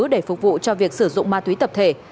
để phục vụ cho việc sử dụng ma túy tập thể